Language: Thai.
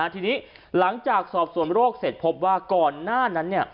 ทีนี้หลังจากสอบส่วนโรคเสร็จพบว่าก่อนหน้านั้น